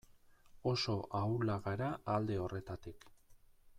Oso ahulak gara alde horretatik.